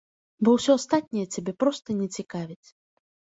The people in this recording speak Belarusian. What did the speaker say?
Бо ўсё астатняе цябе проста не цікавіць.